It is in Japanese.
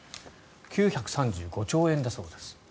９３５兆円だそうです。